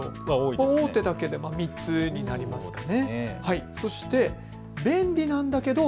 大手だけで３つになりますかね。